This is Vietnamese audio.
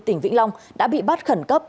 tỉnh vĩnh long đã bị bắt khẩn cấp